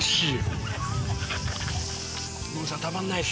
ノリさんたまんないっす。